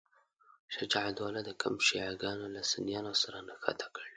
شجاع الدوله د کمپ شیعه ګانو له سنیانو سره نښته کړې.